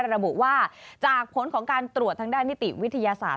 ระบุว่าจากผลของการตรวจทางด้านนิติวิทยาศาสตร์